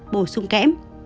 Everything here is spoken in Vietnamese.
bổ sung kém